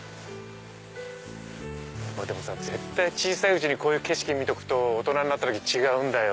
これ絶対小さいうちにこういう景色見とくと大人になった時に違うんだよ。